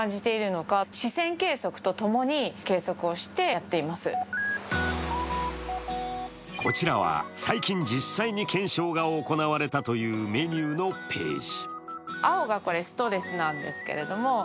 例えばこちせは最近、実際に検証が行われたというメニューのページ。